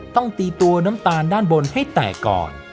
ต้องตีตัวน้ำตาลด้านบนให้แตกก่อน